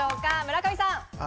村上さん。